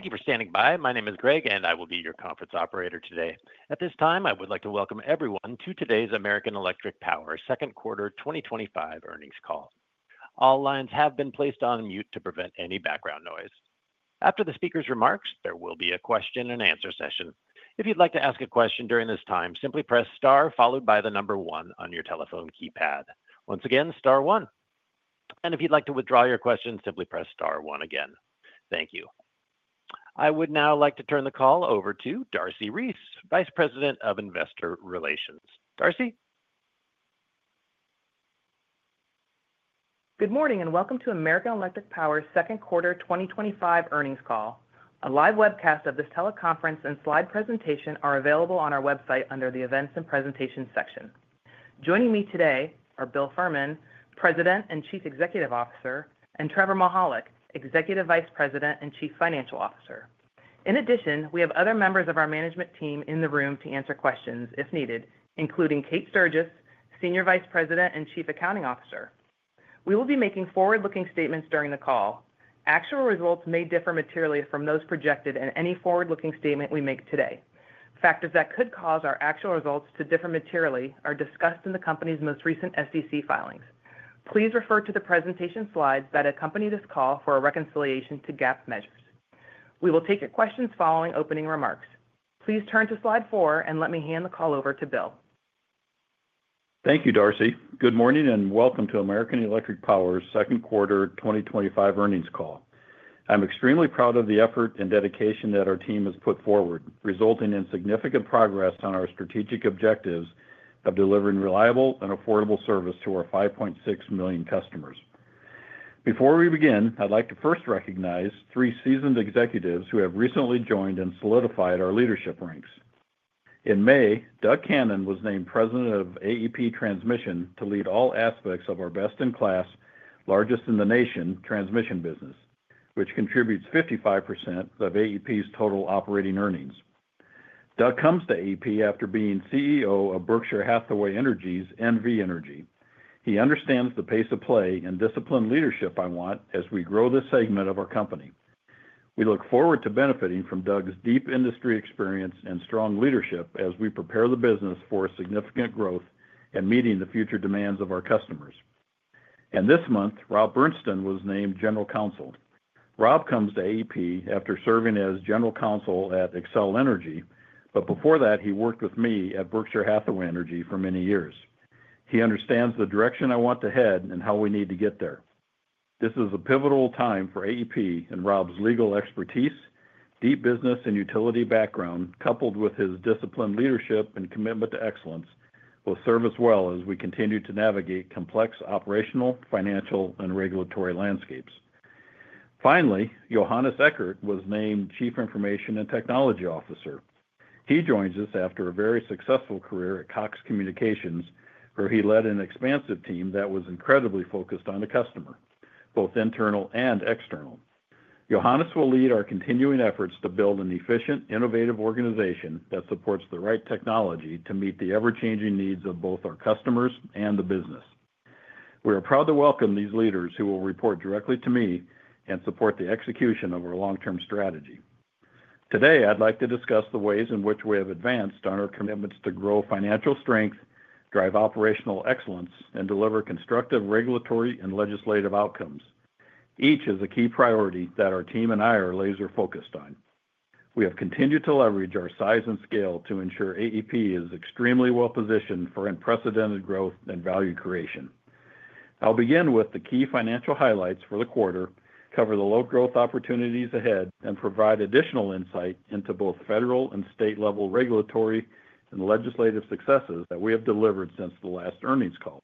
Thank for standing by. My name is Greg, and I will be your conference operator today. At this time, I would like to welcome everyone to today's American Electric Power Second Quarter 2025 Earnings Call. All lines have been placed on mute to prevent any background noise. After the speaker's remarks, there will be a question-and-answer session. If you'd like to ask a question during this time, simply press star followed by the number one on your telephone keypad. Once again, star one. If you'd like to withdraw your question, simply press star one again. Thank you. I would now like to turn the call over to Darcy Reese, Vice President of Investor Relations. Darcy? Good morning and welcome to American Electric Power Second Quarter 2025 Earnings Call. A live webcast of this teleconference and slide presentation are available on our website under the Events and Presentations section. Joining me today are Bill Fehrman, President and Chief Executive Officer, and Trevor Mihalik, Executive Vice President and Chief Financial Officer. In addition, we have other members of our management team in the room to answer questions if needed, including Kate Sturgess, Senior Vice President and Chief Accounting Officer. We will be making forward-looking statements during the call. Actual results may differ materially from those projected in any forward-looking statement we make today. Factors that could cause our actual results to differ materially are discussed in the company's most recent SEC filings. Please refer to the presentation slides that accompany this call for a reconciliation to GAAP measures. We will take your questions following opening remarks. Please turn to slide four and let me hand the call over to Bill. Thank you, Darcy. Good morning and welcome to American Electric Power's Second Quarter 2025 Earnings Call. I'm extremely proud of the effort and dedication that our team has put forward, resulting in significant progress on our strategic objectives of delivering reliable and affordable service to our 5.6 million customers. Before we begin, I'd like to first recognize three seasoned executives who have recently joined and solidified our leadership ranks. In May, Doug Cannon was named President of AEP Transmission to lead all aspects of our best-in-class, largest-in-the-nation transmission business, which contributes 55% of AEP's total operating earnings. Doug comes to AEP after being CEO of Berkshire Hathaway Energy's NV Energy. He understands the pace of play and disciplined leadership I want as we grow this segment of our company. We look forward to benefiting from Doug's deep industry experience and strong leadership as we prepare the business for significant growth and meeting the future demands of our customers. This month, Rob Bernstein was named General Counsel. Rob comes to AEP after serving as General Counsel at Xcel Energy, but before that, he worked with me at Berkshire Hathaway Energy for many years. He understands the direction I want to head and how we need to get there. This is a pivotal time for AEP and Rob's legal expertise, deep business and utility background, coupled with his disciplined leadership and commitment to excellence, will serve us well as we continue to navigate complex operational, financial, and regulatory landscapes. Finally, Johannes Eckert was named Chief Information and Technology Officer. He joins us after a very successful career at Cox Communications, where he led an expansive team that was incredibly focused on the customer, both internal and external. Johannes will lead our continuing efforts to build an efficient, innovative organization that supports the right technology to meet the ever-changing needs of both our customers and the business. We are proud to welcome these leaders who will report directly to me and support the execution of our long term strategy. Today, I'd like to discuss the ways in which we have advanced on our commitments to grow financial strength, drive operational excellence, and deliver constructive regulatory and legislative outcomes. Each is a key priority that our team and I are laser-focused on. We have continued to leverage our size and scale to ensure AEP is extremely well-positioned for unprecedented growth and value creation. I'll begin with the key financial highlights for the quarter, cover the low growth opportunities ahead, and provide additional insight into both federal and state level regulatory and legislative successes that we have delivered since the last earnings call.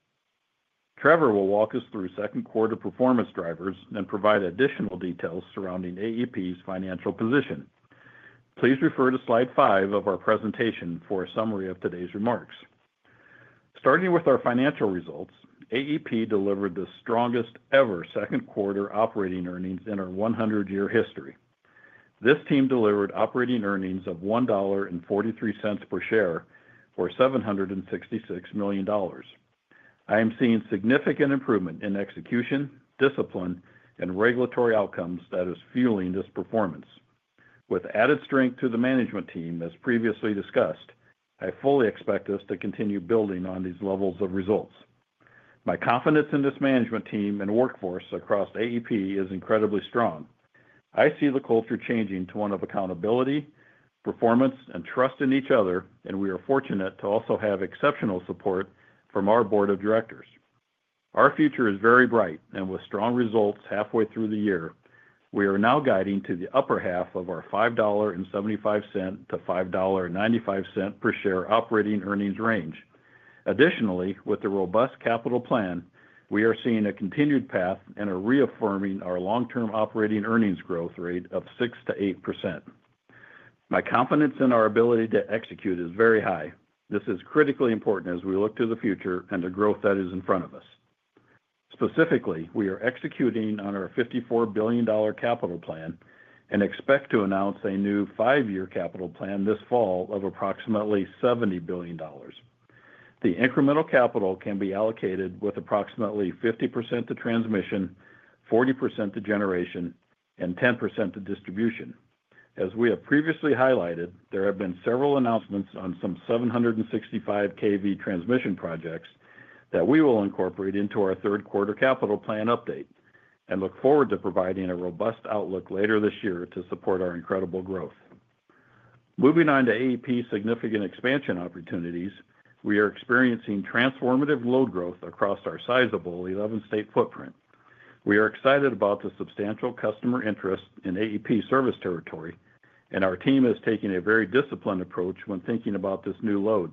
Trevor will walk us through second quarter performance drivers and provide additional details surrounding AEP's financial position. Please refer to slide five of our presentation for a summary of today's remarks. Starting with our financial results, AEP delivered the strongest ever second quarter operating earnings in our 100-year history. This team delivered operating earnings of $1.43 per share for $766 million. I am seeing significant improvement in execution, discipline, and regulatory outcomes that is fueling this performance. With added strength to the management team, as previously discussed, I fully expect us to continue building on these levels of results. My confidence in this management team and workforce across AEP is incredibly strong. I see the culture changing to one of accountability, performance, and trust in each other, and we are fortunate to also have exceptional support from our board of directors. Our future is very bright, and with strong results halfway through the year, we are now guiding to the upper half of our $5.75-$5.95 per share operating earnings range. Additionally, with the robust capital plan, we are seeing a continued path and are reaffirming our long term operating earnings growth rate of 6%-8%. My confidence in our ability to execute is very high. This is critically important as we look to the future and the growth that is in front of us. Specifically, we are executing on our $54 billion capital plan and expect to announce a new five-year capital plan this fall of approximately $70 billion. The incremental capital can be allocated with approximately 50% to transmission, 40% to generation, and 10% to distribution. As we have previously highlighted, there have been several announcements on some 765 kV transmission projects that we will incorporate into our third quarter capital plan update and look forward to providing a robust outlook later this year to support our incredible growth. Moving on to AEP's significant expansion opportunities, we are experiencing transformative load growth across our sizable 11-state footprint. We are excited about the substantial customer interest in AEP service territory, and our team is taking a very disciplined approach when thinking about this new load.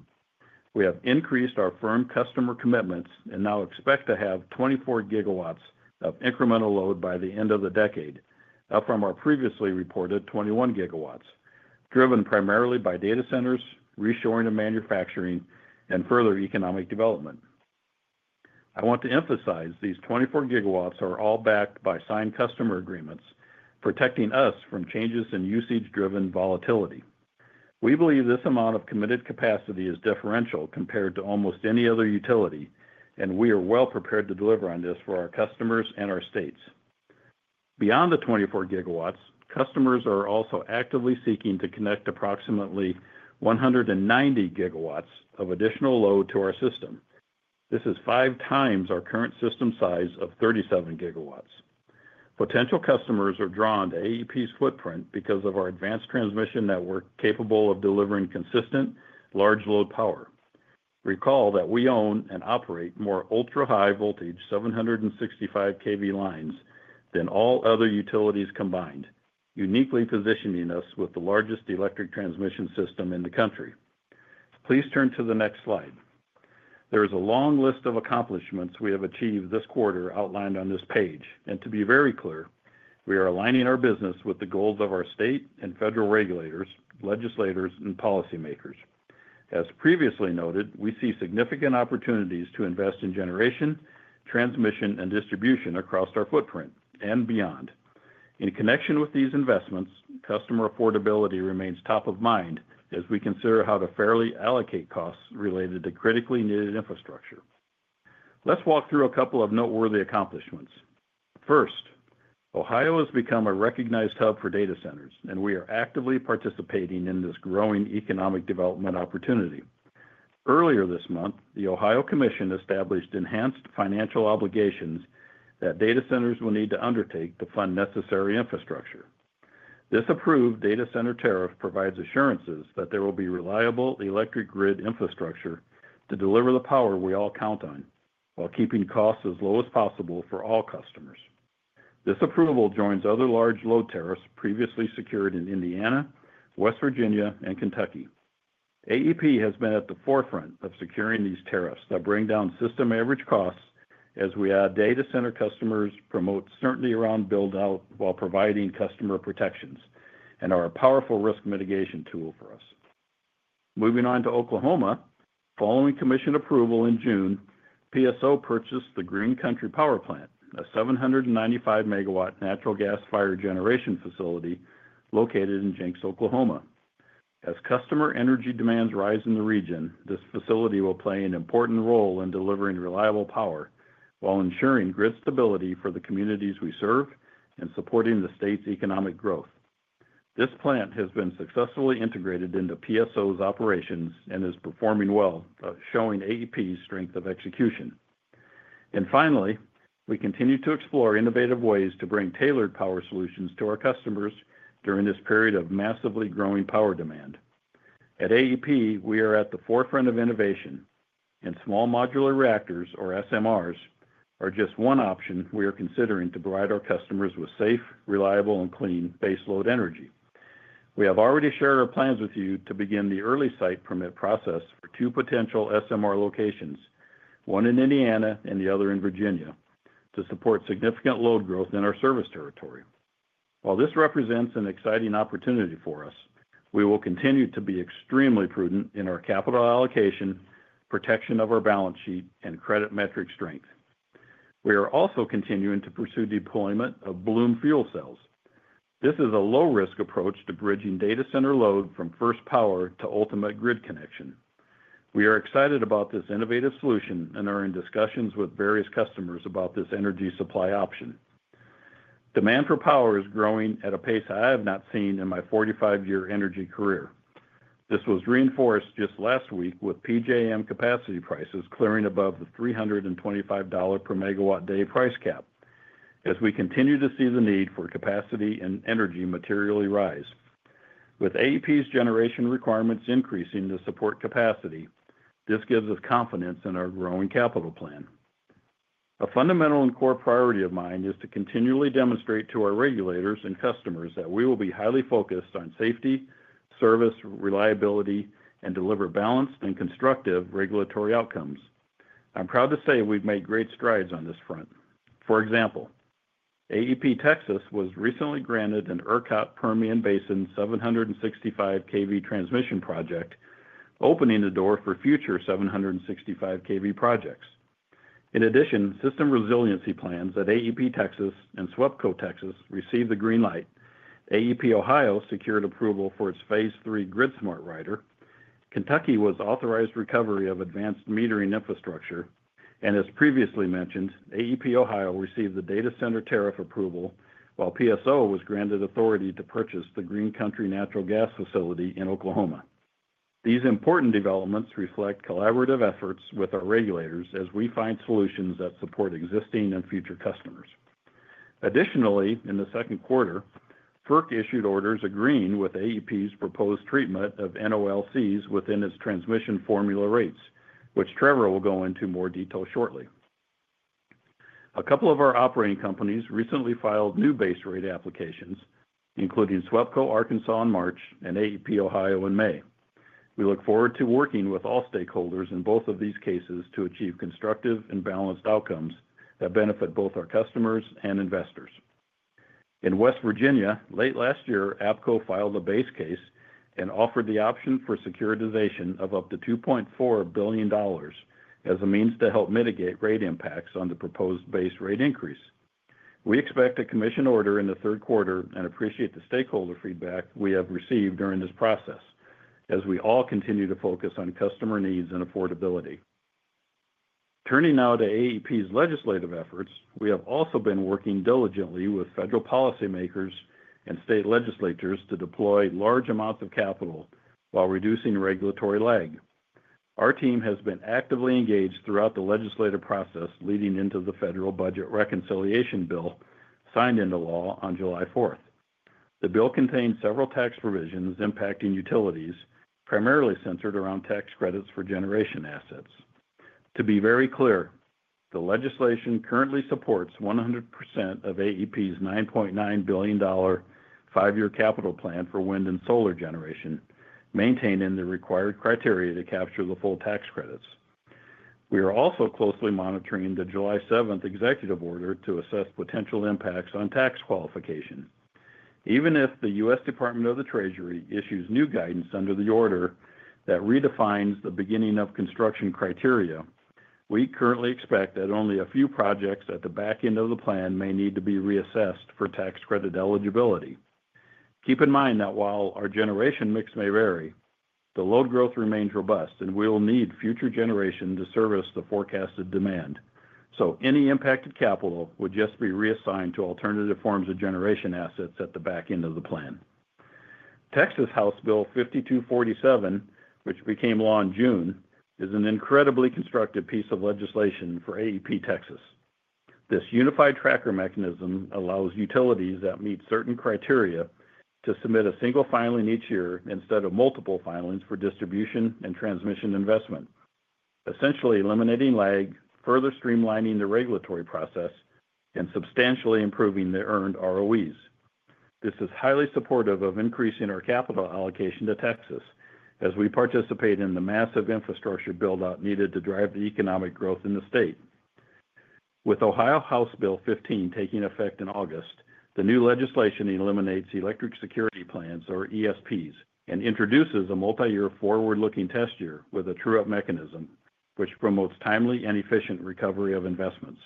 We have increased our firm customer commitments and now expect to have 24 GW of incremental load by the end of the decade, up from our previously reported 21 GW, driven primarily by data centers, reshoring to manufacturing, and further economic development. I want to emphasize these 24 GW are all backed by signed customer agreements, protecting us from changes in usage-driven volatility. We believe this amount of committed capacity is differential compared to almost any other utility, and we are well prepared to deliver on this for our customers and our states. Beyond the 24 GW, customers are also actively seeking to connect approximately 190 GW of additional load to our system. This is five times our current system size of 37 GW. Potential customers are drawn to AEP's footprint because of our advanced transmission network capable of delivering consistent, large-load power. Recall that we own and operate more ultra-high voltage 765 kV lines than all other utilities combined, uniquely positioning us with the largest electric transmission system in the country. Please turn to the next slide. There is a long list of accomplishments we have achieved this quarter outlined on this page, and to be very clear, we are aligning our business with the goals of our state and federal regulators, legislators, and policymakers. As previously noted, we see significant opportunities to invest in generation, transmission, and distribution across our footprint and beyond. In connection with these investments, customer affordability remains top of mind as we consider how to fairly allocate costs related to critically needed infrastructure. Let's walk through a couple of noteworthy accomplishments. First, Ohio has become a recognized hub for data centers, and we are actively participating in this growing economic development opportunity. Earlier this month, the Ohio Commission established enhanced financial obligations that data centers will need to undertake to fund necessary infrastructure. This approved data center tariff provides assurances that there will be reliable electric grid infrastructure to deliver the power we all count on while keeping costs as low as possible for all customers. This approval joins other large load tariffs previously secured in Indiana, West Virginia, and Kentucky. AEP has been at the forefront of securing these tariffs that bring down system average costs as we add data center customers, promote certainty around build out while providing customer protections, and are a powerful risk mitigation tool for us. Moving on to Oklahoma, following commission approval in June, PSO purchased the Green Country Power Plant, a 795 MW natural gas fire generation facility located in Jenks, Oklahoma. As customer energy demands rise in the region, this facility will play an important role in delivering reliable power while ensuring grid stability for the communities we serve and supporting the state's economic growth. This plant has been successfully integrated into PSO's operations and is performing well, showing AEP's strength of execution. Finally, we continue to explore innovative ways to bring tailored power solutions to our customers during this period of massively growing power demand. At AEP, we are at the forefront of innovation, and small modular reactors, or SMRs, are just one option we are considering to provide our customers with safe, reliable, and clean base load energy. We have already shared our plans with you to begin the early site permit process for two potential SMR locations, one in Indiana and the other in Virginia, to support significant load growth in our service territory. While this represents an exciting opportunity for us, we will continue to be extremely prudent in our capital allocation, protection of our balance sheet, and credit metric strength. We are also continuing to pursue deployment of Bloom fuel cells. This is a low risk approach to bridging data center load from first power to ultimate grid connection. We are excited about this innovative solution and are in discussions with various customers about this energy supply option. Demand for power is growing at a pace I have not seen in my 45-year energy career. This was reinforced just last week with PJM capacity prices clearing above the $325 per megawatt day price cap as we continue to see the need for capacity and energy materially rise. With AEP's generation requirements increasing to support capacity, this gives us confidence in our growing capital plan. A fundamental and core priority of mine is to continually demonstrate to our regulators and customers that we will be highly focused on safety, service, reliability, and deliver balanced and constructive regulatory outcomes. I'm proud to say we've made great strides on this front. For example, AEP Texas was recently granted an ERCOT Permian Basin 765 kV transmission project, opening the door for future 765 kV projects. In addition, system resiliency plans at AEP Texas and SWEPCO Texas received the green light. AEP Ohio secured approval for its phase three GridSmart rider. Kentucky was authorized recovery of advanced metering infrastructure. As previously mentioned, AEP Ohio received the data center tariff approval while PSO was granted authority to purchase the Green Country natural gas facility in Oklahoma. These important developments reflect collaborative efforts with our regulators as we find solutions that support existing and future customers. Additionally, in the second quarter, FERC issued orders agreeing with AEP's proposed treatment of NOLCs within its transmission formula rates, which Trevor will go into more detail shortly. A couple of our operating companies recently filed new base rate applications, including SWEPCO Arkansas in March and AEP Ohio in May. We look forward to working with all stakeholders in both of these cases to achieve constructive and balanced outcomes that benefit both our customers and investors. In West Virginia, late last year, APCo filed a base case and offered the option for securitization of up to $2.4 billion as a means to help mitigate rate impacts on the proposed base rate increase. We expect a commission order in the third quarter and appreciate the stakeholder feedback we have received during this process as we all continue to focus on customer needs and affordability. Turning now to AEP's legislative efforts, we have also been working diligently with federal policymakers and state legislators to deploy large amounts of capital while reducing regulatory lag. Our team has been actively engaged throughout the legislative process leading into the federal budget reconciliation bill signed into law on July 4th. The bill contains several tax provisions impacting utilities, primarily centered around tax credits for generation assets. To be very clear, the legislation currently supports 100% of AEP's $9.9 billion, five-year capital plan for wind and solar generation, maintaining the required criteria to capture the full tax credits. We are also closely monitoring the July 7th executive order to assess potential impacts on tax qualification. Even if the U.S. Department of the Treasury issues new guidance under the order that redefines the beginning of construction criteria, we currently expect that only a few projects at the back end of the plan may need to be reassessed for tax credit eligibility. Keep in mind that while our generation mix may vary, the load growth remains robust, and we will need future generation to service the forecasted demand. Any impacted capital would just be reassigned to alternative forms of generation assets at the back end of the plan. Texas House Bill 5247, which became law in June, is an incredibly constructive piece of legislation for AEP Texas. This unified tracker mechanism allows utilities that meet certain criteria to submit a single filing each year instead of multiple filings for distribution and transmission investment, essentially eliminating lag, further streamlining the regulatory process, and substantially improving the earned ROEs. This is highly supportive of increasing our capital allocation to Texas as we participate in the massive infrastructure build out needed to drive the economic growth in the state. With Ohio House Bill 15 taking effect in August, the new legislation eliminates electric security plans, or ESPs, and introduces a multi-year forward-looking test year with a true-up mechanism, which promotes timely and efficient recovery of investments.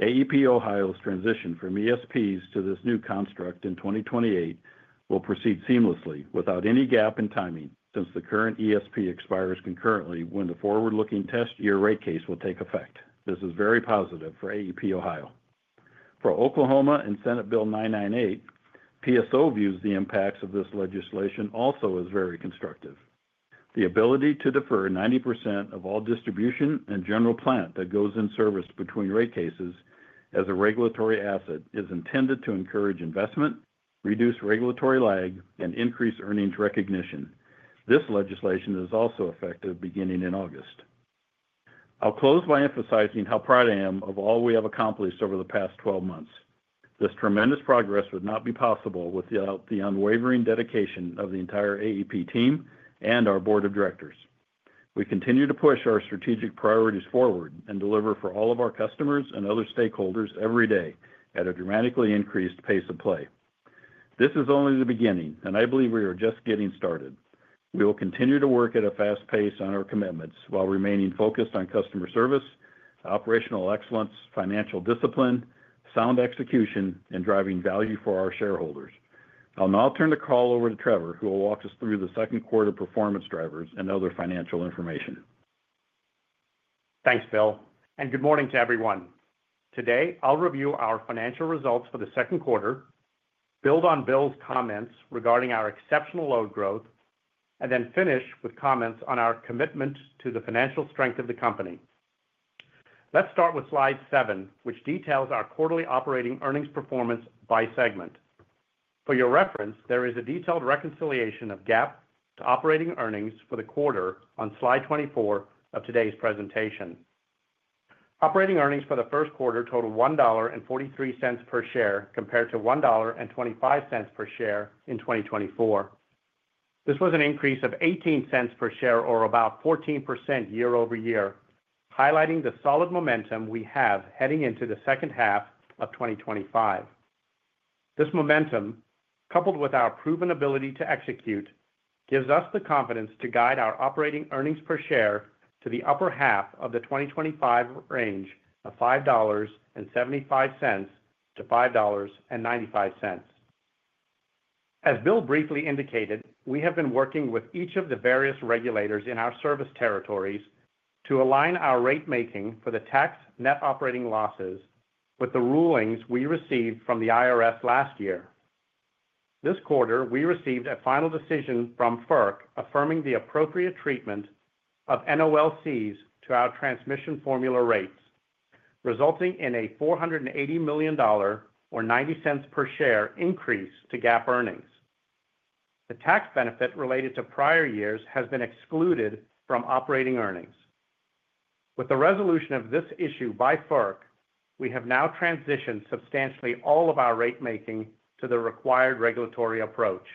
AEP Ohio's transition from ESPs to this new construct in 2028 will proceed seamlessly without any gap in timing since the current ESP expires concurrently when the forward-looking test year rate case will take effect. This is very positive for AEP Ohio. For Oklahoma and Senate Bill 998, PSO views the impacts of this legislation also as very constructive. The ability to defer 90% of all distribution and general plant that goes in service between rate cases as a regulatory asset is intended to encourage investment, reduce regulatory lag, and increase earnings recognition. This legislation is also effective beginning in August. I'll close by emphasizing how proud I am of all we have accomplished over the past 12 months. This tremendous progress would not be possible without the unwavering dedication of the entire AEP team and our board of directors. We continue to push our strategic priorities forward and deliver for all of our customers and other stakeholders every day at a dramatically increased pace of play. This is only the beginning, and I believe we are just getting started. We will continue to work at a fast pace on our commitments while remaining focused on customer service, operational excellence, financial discipline, sound execution, and driving value for our shareholders. I'll now turn the call over to Trevor, who will walk us through the second quarter performance drivers and other financial information. Thanks, Bill. And good morning to everyone. Today, I'll review our financial results for the second quarter, build on Bill's comments regarding our exceptional load growth, and then finish with comments on our commitment to the financial strength of the company. Let's start with slide seven, which details our quarterly operating earnings performance by segment. For your reference, there is a detailed reconciliation of GAAP to operating earnings for the quarter on slide 24 of today's presentation. Operating earnings for the first quarter total $1.43 per share compared to $1.25 per share in 2024. This was an increase of $0.18 per share, or about 14% year-over-year, highlighting the solid momentum we have heading into the second half of 2025. This momentum, coupled with our proven ability to execute, gives us the confidence to guide our operating earnings per share to the upper half of the 2025 range of $5.75-$5.95. As Bill briefly indicated, we have been working with each of the various regulators in our service territories to align our rate-making for the tax net operating losses with the rulings we received from the IRS last year. This quarter, we received a final decision from FERC affirming the appropriate treatment of NOLCs to our transmission formula rates, resulting in a $480 million, or $0.90 per share, increase to GAAP earnings. The tax benefit related to prior years has been excluded from operating earnings. With the resolution of this issue by FERC, we have now transitioned substantially all of our rate-making to the required regulatory approach.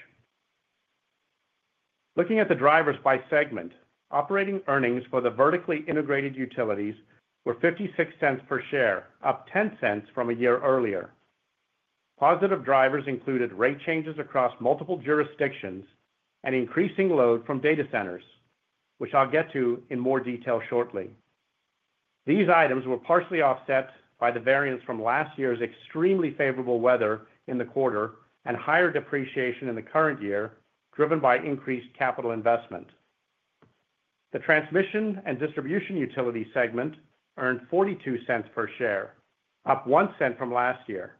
Looking at the drivers by segment, operating earnings for the vertically integrated utilities were $0.56 per share, up $0.10 from a year earlier. Positive drivers included rate changes across multiple jurisdictions and increasing load from data centers, which I'll get to in more detail shortly. These items were partially offset by the variance from last year's extremely favorable weather in the quarter and higher depreciation in the current year, driven by increased capital investment. The transmission and distribution utility segment earned $0.42 per share, up $0.01 from last year.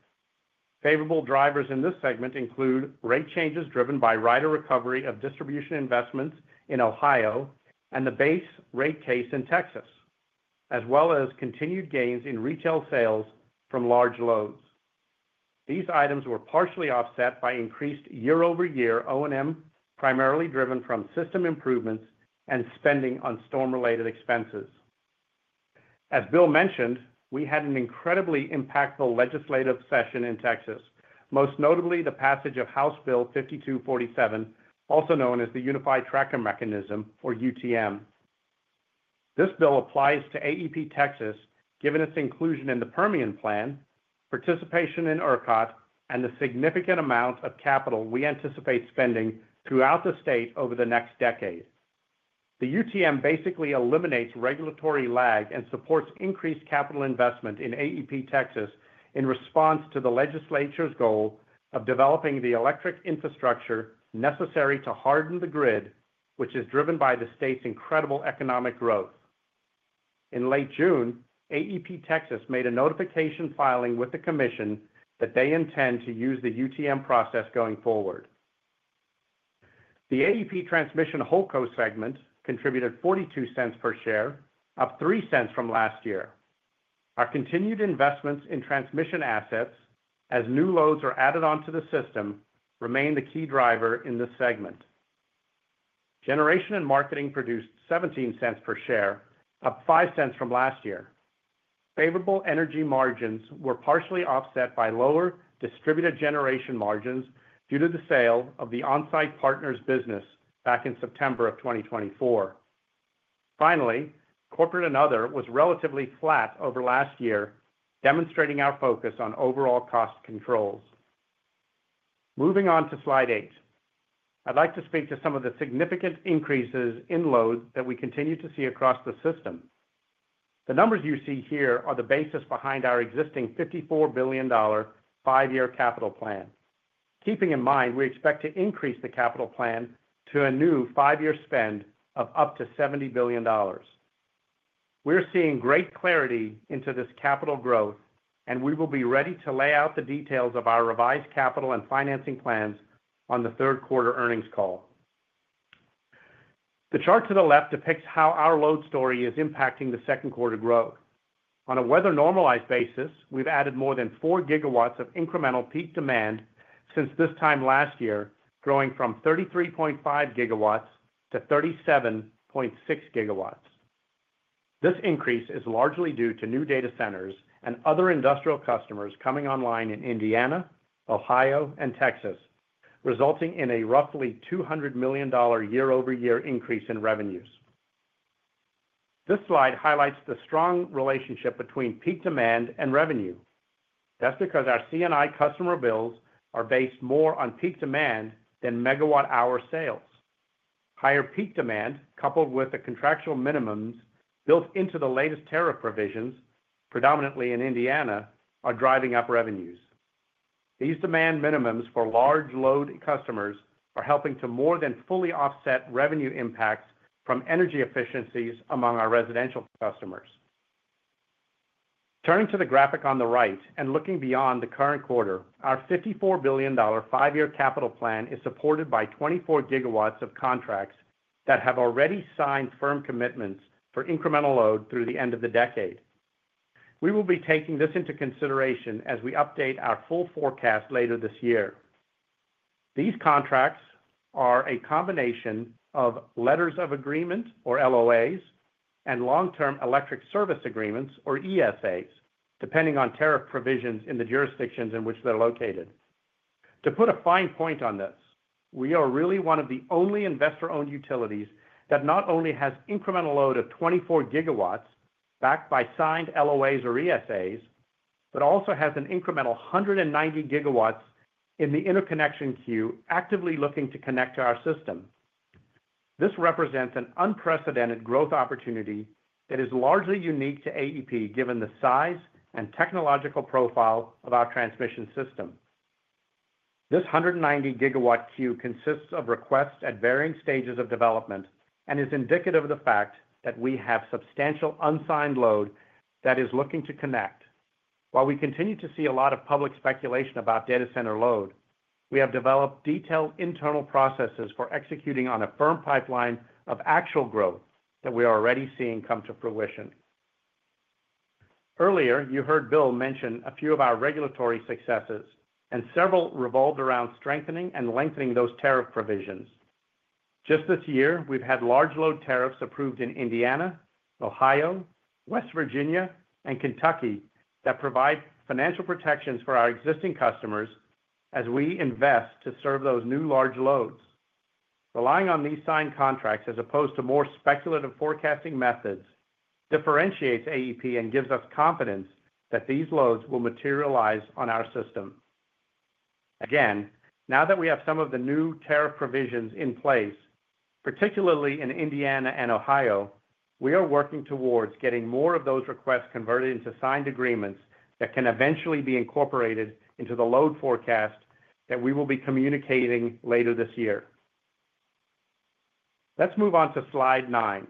Favorable drivers in this segment include rate changes driven by rider recovery of distribution investments in Ohio and the base rate case in Texas, as well as continued gains in retail sales from large loads. These items were partially offset by increased year-over-year O&M, primarily driven from system improvements and spending on storm-related expenses. As Bill mentioned, we had an incredibly impactful legislative session in Texas, most notably the passage of House Bill 5247, also known as the Unified Tracker Mechanism, or UTM. This bill applies to AEP Texas, given its inclusion in the Permian Plan, participation in ERCOT, and the significant amount of capital we anticipate spending throughout the state over the next decade. The UTM basically eliminates regulatory lag and supports increased capital investment in AEP Texas in response to the legislature's goal of developing the electric infrastructure necessary to harden the grid, which is driven by the state's incredible economic growth. In late June, AEP Texas made a notification filing with the commission that they intend to use the UTM process going forward. The AEP transmission whole cost segment contributed $0.42 per share, up $0.03 from last year. Our continued investments in transmission assets, as new loads are added onto the system, remain the key driver in this segment. Generation and marketing produced $0.17 per share, up $0.05 from last year. Favorable energy margins were partially offset by lower distributed generation margins due to the sale of the onsite partner's business back in September of 2024. Finally, corporate and other was relatively flat over last year, demonstrating our focus on overall cost controls. Moving on to slide eight, I'd like to speak to some of the significant increases in load that we continue to see across the system. The numbers you see here are the basis behind our existing $54 billion five-year capital plan. Keeping in mind, we expect to increase the capital plan to a new five-year spend of up to $70 billion. We're seeing great clarity into this capital growth, and we will be ready to lay out the details of our revised capital and financing plans on the third quarter earnings call. The chart to the left depicts how our load story is impacting the second quarter growth. On a weather normalized basis, we've added more than 4 GW of incremental peak demand since this time last year, growing from 33.5 GW to 37.6 GW. This increase is largely due to new data centers and other industrial customers coming online in Indiana, Ohio, and Texas, resulting in a roughly $200 million year-over-year increase in revenues. This slide highlights the strong relationship between peak demand and revenue. That's because our C&I customer bills are based more on peak demand than megawatt-hour sales. Higher peak demand, coupled with the contractual minimums built into the latest tariff provisions, predominantly in Indiana, are driving up revenues. These demand minimums for large load customers are helping to more than fully offset revenue impacts from energy efficiencies among our residential customers. Turning to the graphic on the right and looking beyond the current quarter, our $54 billion five-year capital plan is supported by 24 GW of contracts that have already signed firm commitments for incremental load through the end of the decade. We will be taking this into consideration as we update our full forecast later this year. These contracts are a combination of letters of agreement, or LOAs, and long term electric service agreements, or ESAs, depending on tariff provisions in the jurisdictions in which they're located. To put a fine point on this, we are really one of the only investor-owned utilities that not only has incremental load of 24 GW backed by signed LOAs or ESAs, but also has an incremental 190 GW in the interconnection queue actively looking to connect to our system. This represents an unprecedented growth opportunity that is largely unique to AEP given the size and technological profile of our transmission system. This 190 GW queue consists of requests at varying stages of development and is indicative of the fact that we have substantial unsigned load that is looking to connect. While we continue to see a lot of public speculation about data center load, we have developed detailed internal processes for executing on a firm pipeline of actual growth that we are already seeing come to fruition. Earlier, you heard Bill mention a few of our regulatory successes, and several revolved around strengthening and lengthening those tariff provisions. Just this year, we've had large load tariffs approved in Indiana, Ohio, West Virginia, and Kentucky that provide financial protections for our existing customers as we invest to serve those new large loads. Relying on these signed contracts as opposed to more speculative forecasting methods differentiates AEP and gives us confidence that these loads will materialize on our system. Again, now that we have some of the new tariff provisions in place, particularly in Indiana and Ohio, we are working towards getting more of those requests converted into signed agreements that can eventually be incorporated into the load forecast that we will be communicating later this year. Let's move on to slide 9.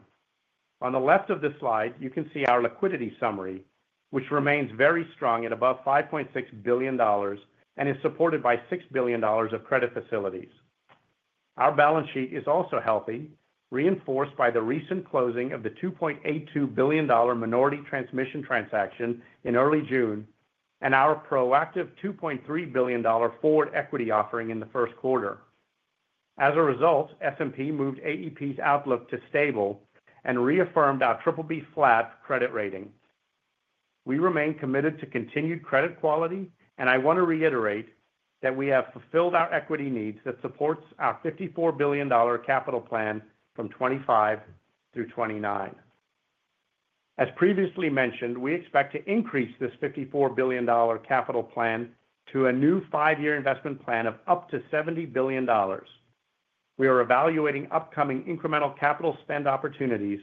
On the left of this slide, you can see our liquidity summary, which remains very strong at above $5.6 billion and is supported by $6 billion of credit facilities. Our balance sheet is also healthy, reinforced by the recent closing of the $2.82 billion minority transmission transaction in early June and our proactive $2.3 billion forward equity offering in the first quarter. As a result, S&P moved AEP's outlook to stable and reaffirmed our BBB flat credit rating. We remain committed to continued credit quality, and I want to reiterate that we have fulfilled our equity needs that support our $54 billion capital plan from 2025 through 2029. As previously mentioned, we expect to increase this $54 billion capital plan to a new five-year investment plan of up to $70 billion. We are evaluating upcoming incremental capital spend opportunities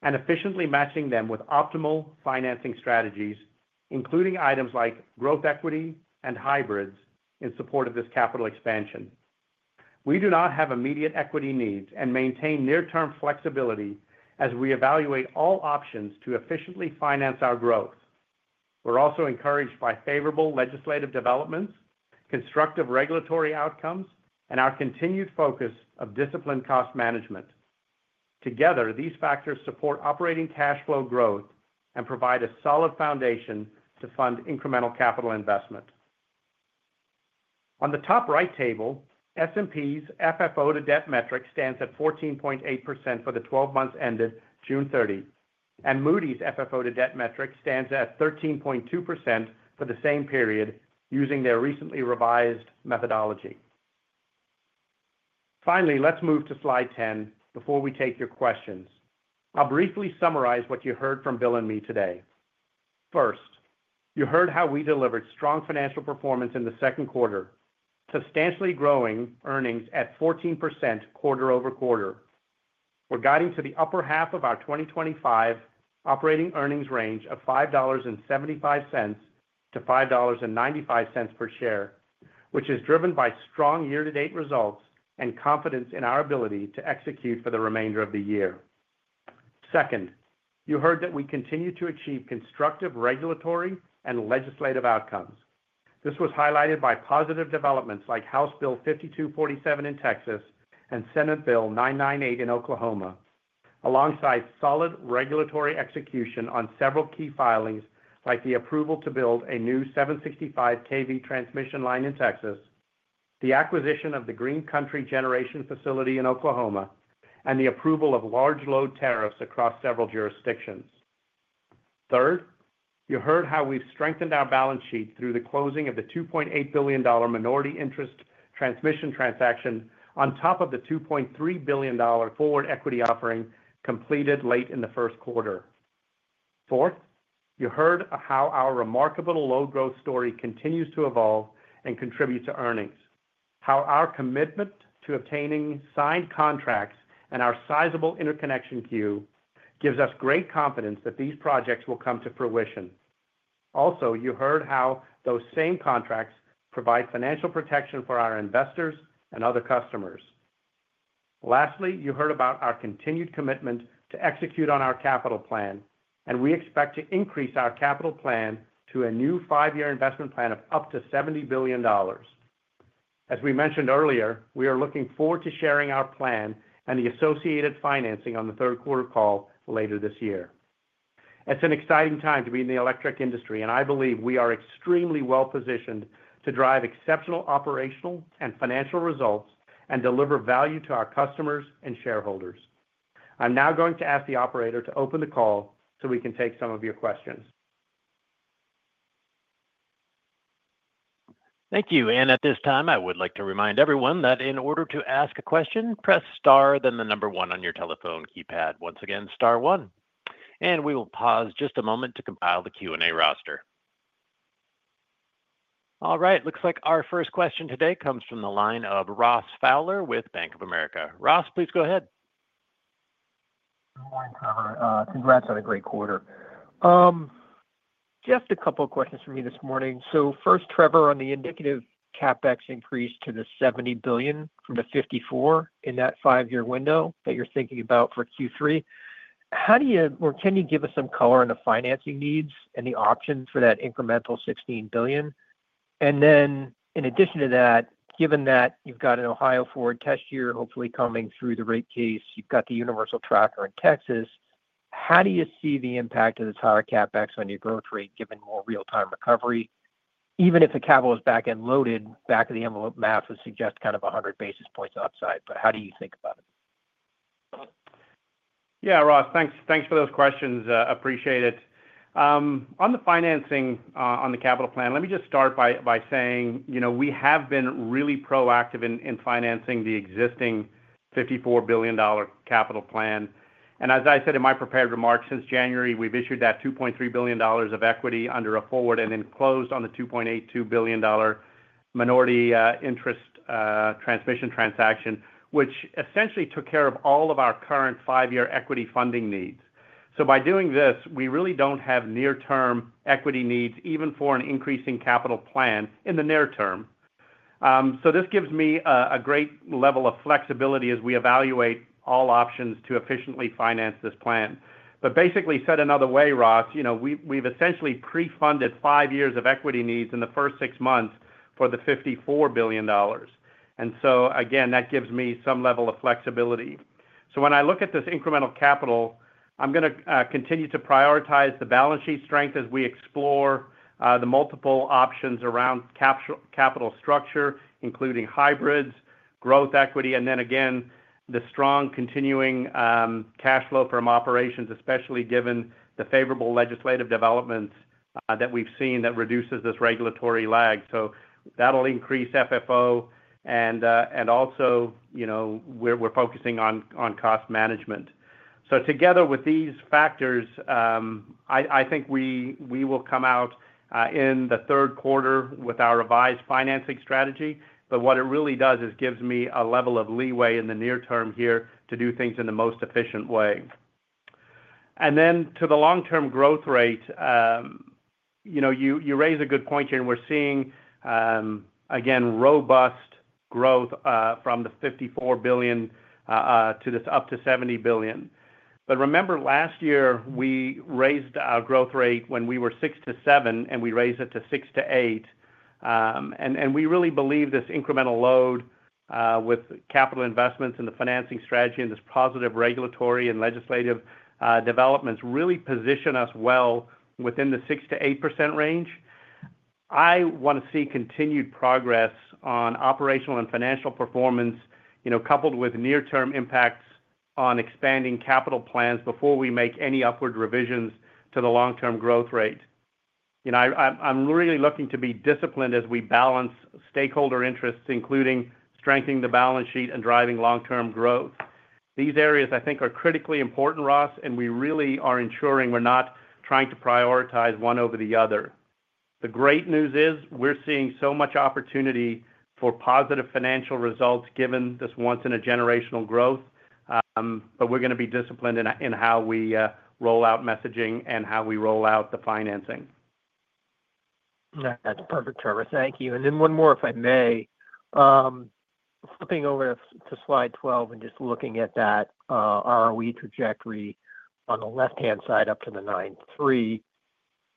and efficiently matching them with optimal financing strategies, including items like growth equity and hybrids in support of this capital expansion. We do not have immediate equity needs and maintain near-term flexibility as we evaluate all options to efficiently finance our growth. We're also encouraged by favorable legislative developments, constructive regulatory outcomes, and our continued focus on disciplined cost management. Together, these factors support operating cash flow growth and provide a solid foundation to fund incremental capital investment. On the top right table, S&P's FFO to debt metric stands at 14.8% for the 12 months ended June 30, and Moody's FFO to debt metric stands at 13.2% for the same period using their recently revised methodology. Finally, let's move to slide 10 before we take your questions. I'll briefly summarize what you heard from Bill and me today. First, you heard how we delivered strong financial performance in the second quarter, substantially growing earnings at 14% quarter over quarter. We're guiding to the upper half of our 2025 operating earnings range of $5.75-$5.95 per share, which is driven by strong year-to-date results and confidence in our ability to execute for the remainder of the year. Second, you heard that we continue to achieve constructive regulatory and legislative outcomes. This was highlighted by positive developments like House Bill 5247 in Texas and Senate Bill 998 in Oklahoma, alongside solid regulatory execution on several key filings like the approval to build a new 765 kV transmission line in Texas, the acquisition of the Green Country Power Plant in Oklahoma, and the approval of large load tariffs across several jurisdictions. Third, you heard how we've strengthened our balance sheet through the closing of the $2.8 billion minority interest transmission transaction on top of the $2.3 billion forward equity offering completed late in the first quarter. Fourth, you heard how our remarkable load growth story continues to evolve and contribute to earnings, how our commitment to obtaining signed contracts and our sizable interconnection queue gives us great confidence that these projects will come to fruition. Also, you heard how those same contracts provide financial protection for our investors and other customers. Lastly, you heard about our continued commitment to execute on our capital plan, and we expect to increase our capital plan to a new five-year investment plan of up to $70 billion. As we mentioned earlier, we are looking forward to sharing our plan and the associated financing on the third quarter call later this year. It's an exciting time to be in the electric industry, and I believe we are extremely well positioned to drive exceptional operational and financial results and deliver value to our customers and shareholders. I'm now going to ask the operator to open the call so we can take some of your questions. Thank you. At this time, I would like to remind everyone that in order to ask a question, press star, then the number one on your telephone keypad. Once again, star one. We will pause just a moment to compile the Q&A roster. All right. Looks like our first question today comes from the line of Ross Fowler with Bank of America. Ross, please go ahead. Good morning, Trevor. Congrats on a great quarter. Just a couple of questions for me this morning. So first, Trevor, on the indicative CapEx increase to the $70 billion from the $54 billion in that five-year window that you're thinking about for Q3, how do you or can you give us some color on the financing needs and the options for that incremental $16 billion? And then in addition to that, given that you've got an Ohio forward test year hopefully coming through the rate case, you've got the universal tracker in Texas, how do you see the impact of this higher CapEx on your growth rate given more real-time recovery, even if the capital is back end loaded, back of the envelope math would suggest kind of 100 basis points upside, but how do you think about it? Yes, Ross, thanks for those questions. Appreciate it. On the financing on the capital plan, let me just start by saying we have been really proactive in financing the existing $54 billion capital plan. And as I said in my prepared remarks, since January, we've issued that $2.3 billion of equity under a forward and then closed on the $2.82 billion minority interest transmission transaction, which essentially took care of all of our current five-year equity funding needs. So by doing this, we really don't have near term equity needs, even for an increasing capital plan in the near term. This gives me a great level of flexibility as we evaluate all options to efficiently finance this plan. Basically, said another way, Ross, we've essentially prefunded five years of equity needs in the first six months for the $54 billion. That gives me some level of flexibility. When I look at this incremental capital, I'm going to continue to prioritize the balance sheet strength as we explore the multiple options around capital structure, including hybrids, growth equity, and then again, the strong continuing cash flow from operations, especially given the favorable legislative developments that we've seen that reduces this regulatory lag. That will increase FFO, and also we are focusing on cost management. Together with these factors, I think we will come out in the third quarter with our revised financing strategy. What it really does is gives me a level of leeway in the near term here to do things in the most efficient way. Then to the long term growth rate. You raise a good point here. We're seeing, again, robust growth from the $54 billion to this up to $70 billion. But remember, last year, we raised our growth rate when we were six to seven, and we raised it to Six to eight. And we really believe this incremental load with capital investments and the financing strategy and this positive regulatory and legislative developments really position us well within the 6-8% range. I want to see continued progress on operational and financial performance coupled with near-term impacts on expanding capital plans before we make any upward revisions to the long term growth rate. I'm really looking to be disciplined as we balance stakeholder interests, including strengthening the balance sheet and driving long term growth. These areas, I think, are critically important, Ross, and we really are ensuring we're not trying to prioritize one over the other. The great news is we're seeing so much opportunity for positive financial results given this once-in-a-generational growth. But we're going to be disciplined in how we roll out messaging and how we roll out the financing. That's perfect, Trevor. Thank you. And then one more, if I may. Flipping over to slide 12 and just looking at that ROE trajectory on the left-hand side up to the 9.3%.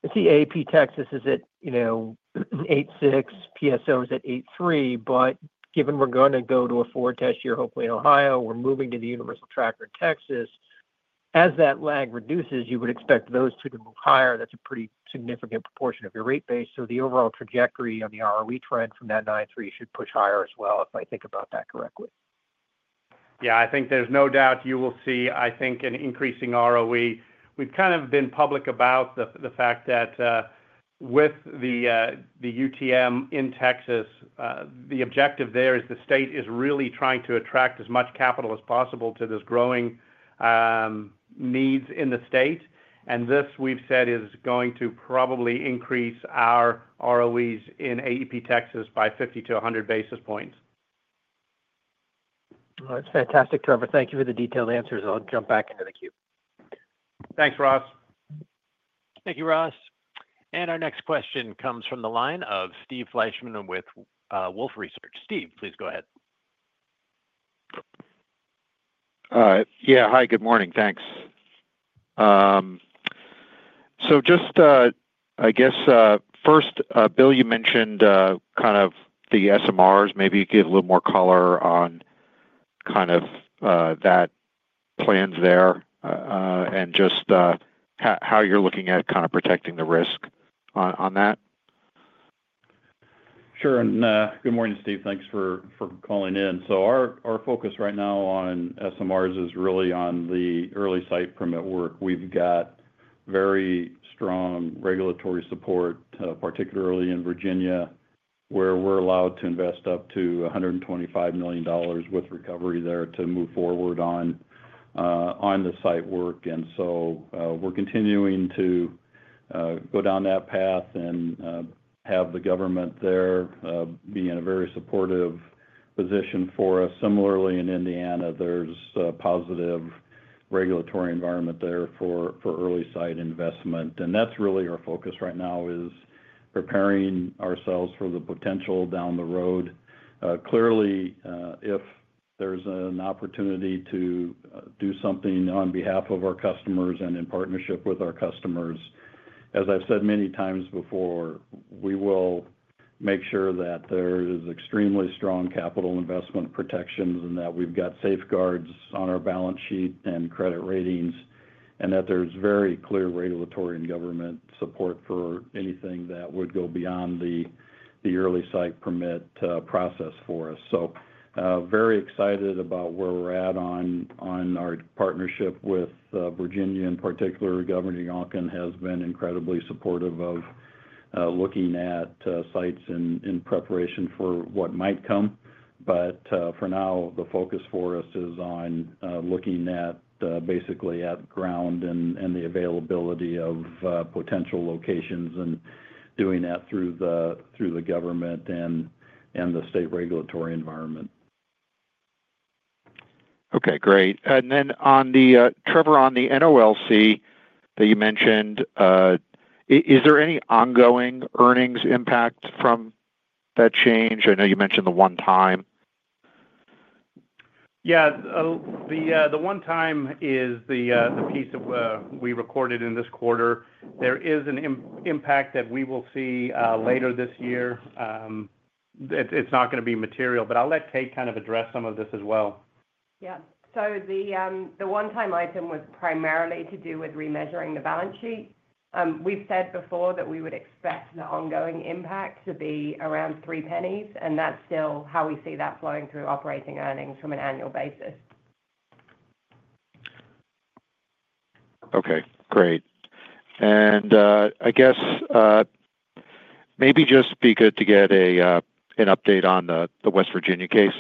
Let's see, AEP Texas, is it at 8.6%, PSO is at 8.3%, but given we're going to go to a forward test year, hopefully in Ohio, we're moving to the universal tracker in Texas. As that lag reduces, you would expect those two to move higher. That's a pretty significant proportion of your rate base. So the overall trajectory on the ROE trend from that 9.3% should push higher as well, if I think about that correctly. Yes, I think there's no doubt you will see, I think, an increasing ROE. We've kind of been public about the fact that with the UTM in Texas, the objective there is the state is really trying to attract as much capital as possible to this growing needs in the state. And this, we've said, is going to probably increase our ROEs in AEP Texas by 50 to 100 basis points. That's fantastic, Trevor. Thank you for the detailed answers. I'll jump back into the queue. Thanks, Ross. Thank you, Ross. And our next question comes from the line of Steve Fleishman with Wolfe Research. Steve, please go ahead. Yes. Hi, good morning, thanks. So just, I guess first, Bill, you mentioned kind of the SMRs. Maybe you could give a little more color on kind of that plans there. And just. How you're looking at kind of protecting the risk on that? Sure. And good morning, Steve. Thanks for calling in. Our focus right now on SMRs is really on the early site permit work. We've got very strong regulatory support, particularly in Virginia, where we're allowed to invest up to $125 million with recovery there to move forward on the site work. We're continuing to go down that path and have the government there be in a very supportive position for us. Similarly, in Indiana, there's a positive regulatory environment there for early site investment. That's really our focus right now, preparing ourselves for the potential down the road. Clearly, if there's an opportunity to do something on behalf of our customers and in partnership with our customers, as I've said many times before, we will make sure that there is extremely strong capital investment protections and that we've got safeguards on our balance sheet and credit ratings, and that there's very clear regulatory and government support for anything that would go beyond the early site permit process for us. Very excited about where we're at on our partnership with Virginia, in particular, Governor Youngkin has been incredibly supportive of looking at sites in preparation for what might come. For now, the focus for us is on looking at basically at ground and the availability of potential locations and doing that through the government and the state regulatory environment. Okay. Great. And then Trevor, on the NOLC that you mentioned. Is there any ongoing earnings impact from that change? I know you mentioned the one time. Yes. The one time is the piece we recorded in this quarter. There is an impact that we will see later this year. It's not going to be material, but I'll let Kate kind of address some of this as well. Yes. The one-time item was primarily to do with remeasuring the balance sheet. We've said before that we would expect the ongoing impact to be around three pennies, and that's still how we see that flowing through operating earnings from an annual basis. Okay. Great. I guess maybe just be good to get an update on the West Virginia case.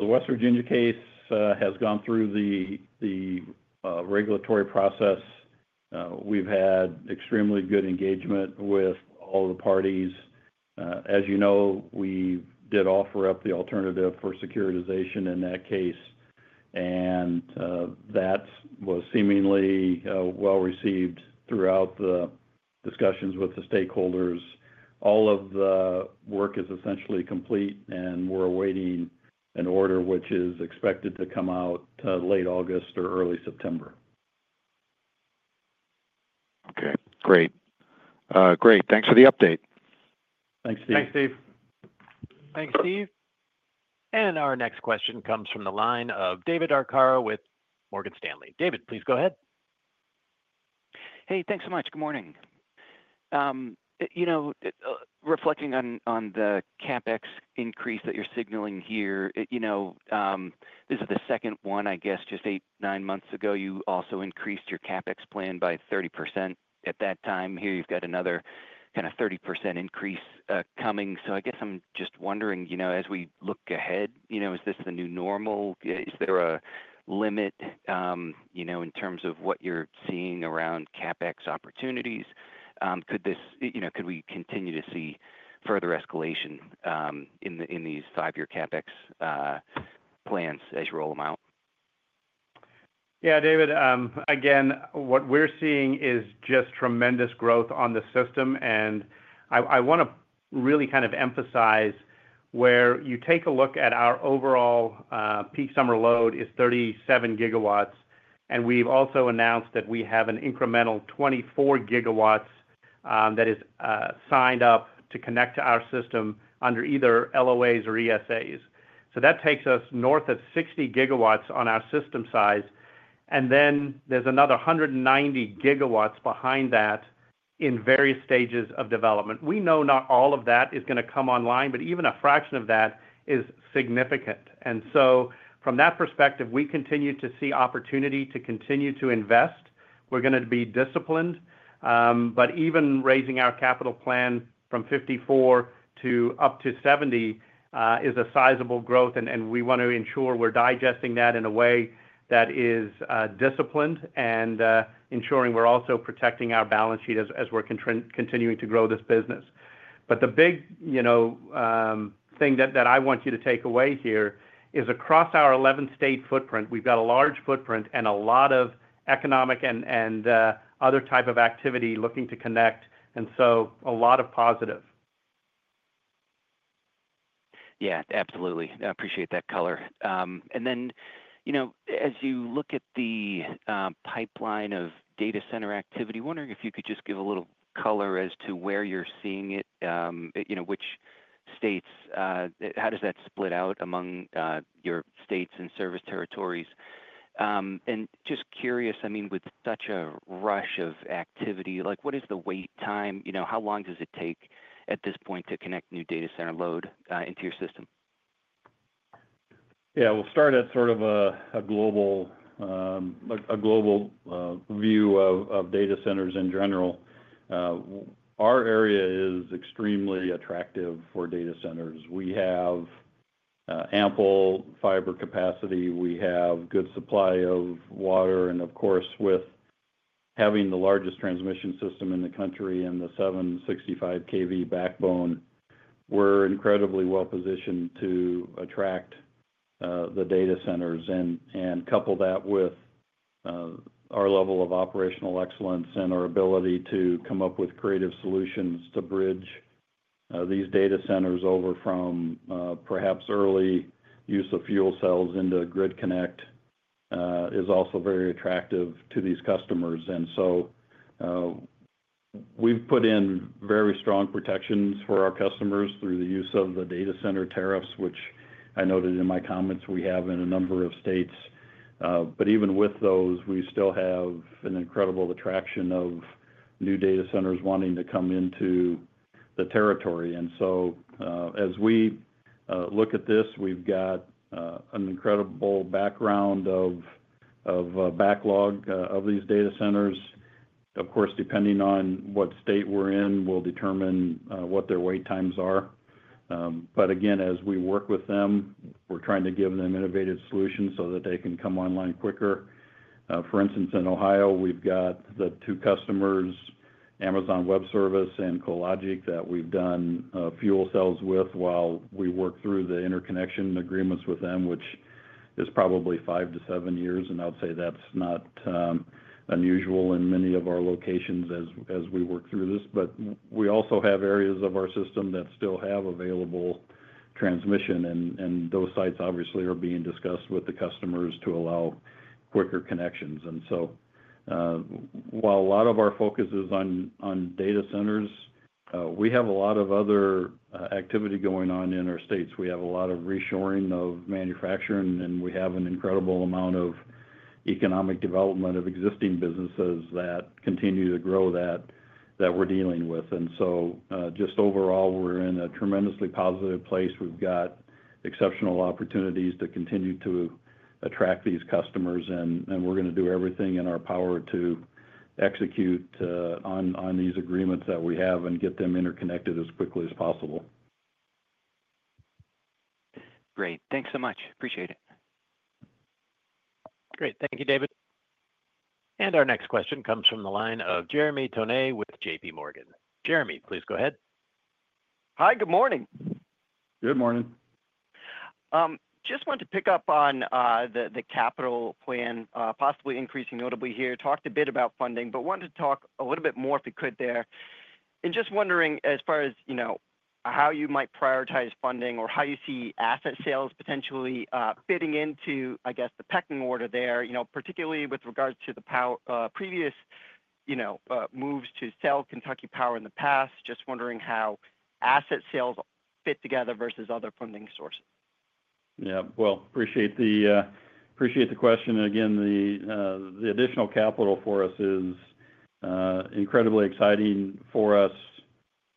The West Virginia case has gone through the regulatory process. We've had extremely good engagement with all of the parties. As you know, we did offer up the alternative for securitization in that case. That was seemingly well received throughout the discussions with the stakeholders. All of the work is essentially complete, and we're awaiting an order, which is expected to come out late August or early September. Okay. Great.Great. Thanks for the update. Thanks, Steve. Thanks, Steve. And our next question comes from the line of David Arcaro with Morgan Stanley. David, please go ahead. Hey, thanks so much. Good morning. Reflecting on the CapEx increase that you're signaling here. This is the second one, I guess, just eight, nine months ago, you also increased your CapEx plan by 30%. At that time, here, you've got another kind of 30% increase coming. I guess I'm just wondering, as we look ahead, is this the new normal? Is there a limit. In terms of what you're seeing around CapEx opportunities? Could we continue to see further escalation in these five-year CapEx plans as you roll them out? Yes, David, again, what we're seeing is just tremendous growth on the system. I want to really kind of emphasize. Where you take a look at our overall peak summer load is 37 GW. We've also announced that we have an incremental 24 GW that is signed up to connect to our system under either LOAs or ESAs. That takes us north of 60 GW on our system size. Then there's another 190 GW behind that in various stages of development. We know not all of that is going to come online, but even a fraction of that is significant. From that perspective, we continue to see opportunity to continue to invest. We're going to be disciplined. Even raising our capital plan from $54 billion to up to $70 billion is a sizable growth. We want to ensure we're digesting that in a way that is disciplined and ensuring we're also protecting our balance sheet as we're continuing to grow this business. The big thing that I want you to take away here is across our 11-state footprint, we've got a large footprint and a lot of economic and other type of activity looking to connect. A lot of positive. Yes, absolutely. I appreciate that color. As you look at the pipeline of data center activity, wondering if you could just give a little color as to where you're seeing it. Which states? How does that split out among your states and service territories? Just curious, I mean, with such a rush of activity, what is the wait time? How long does it take at this point to connect new data center load into your system? Yeah. We'll start at sort of a global view of data centers in general. Our area is extremely attractive for data centers. We have ample fiber capacity. We have good supply of water, of course, with having the largest transmission system in the country and the 765 kV backbone, we're incredibly well positioned to attract the data centers and couple that with our level of operational excellence and our ability to come up with creative solutions to bridge these data centers over from perhaps early use of fuel cells into grid connect is also very attractive to these customers. We have put in very strong protections for our customers through the use of the data center tariffs, which I noted in my comments we have in a number of states. Even with those, we still have an incredible attraction of new data centers wanting to come into the territory. As we look at this, we've got an incredible backlog of these data centers. Of course, depending on what state we're in will determine what their wait times are. Again, as we work with them, we're trying to give them innovative solutions so that they can come online quicker. For instance, in Ohio, we've got the two customers, Amazon Web Service and Cologix, that we've done fuel cells with while we work through the interconnection agreements with them, which is probably five to seven years. I'll say that's not unusual in many of our locations as we work through this. We also have areas of our system that still have available transmission, and those sites, obviously, are being discussed with the customers to allow quicker connections. While a lot of our focus is on data centers, we have a lot of other activity going on in our states. We have a lot of reshoring of manufacturing, and we have an incredible amount of economic development of existing businesses that continue to grow that we're dealing with. Just overall, we're in a tremendously positive place. We've got exceptional opportunities to continue to attract these customers, and we're going to do everything in our power to execute on these agreements that we have and get them interconnected as quickly as possible. Great. Thanks so much. Appreciate it. Great. Thank you, David. Our next question comes from the line of Jeremy Tonet with JPMorgan. Jeremy, please go ahead. Hi. Good morning. Good morning. Just wanted to pick up on the capital plan, possibly increasing notably here. Talked a bit about funding, but wanted to talk a little bit more if we could there. Just wondering as far as how you might prioritize funding or how you see asset sales potentially fitting into, I guess, the pecking order there, particularly with regards to the previous moves to sell Kentucky Power in the past. Just wondering how asset sales fit together versus other funding sources. Yes. Appreciate the question. Again, the additional capital for us is incredibly exciting for us.